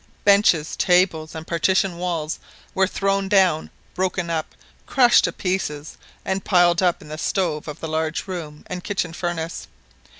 Benches, tables, and partition walls were thrown down, broken up, crushed to pieces, and piled up in the stove of the large room and kitchen furnace.